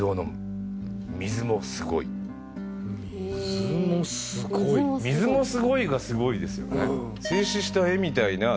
「水も凄い」「水も凄い」がすごいですよね。